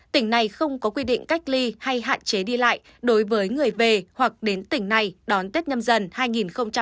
tỉnh này không có quy định cách ly hay hạn chế đi lại đối với người về hoặc đến tỉnh này đón tết nhâm dân